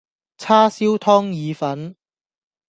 叉燒湯意粉